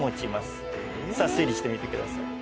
さあ推理してみてください。